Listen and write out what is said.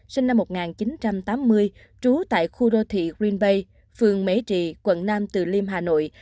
sinh năm một nghìn chín trăm tám mươi trú tại khu đô thị green bay phường mế trị quận nam từ liêm hà nội